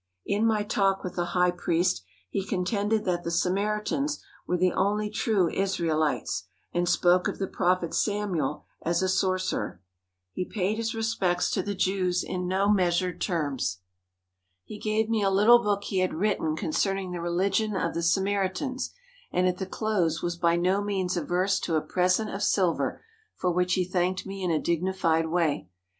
In my talk with the high priest he contended that the Samaritans were the only true Israelites, and spoke of the prophet Samuel as a sorcerer. He paid his respects to 151 THE HOLY LAND AND SYRIA the Jews in no measured terms. He gave me a little book he had written concerning the religion of the Samaritans, and at the close was by no means averse to a present of silver for which he thanked me in a dignified way.